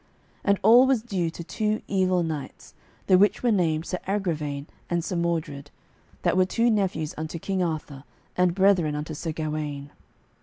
And all was due to two evil knights, the which were named Sir Agravaine and Sir Mordred, that were nephews unto King Arthur and brethren unto Sir Gawaine.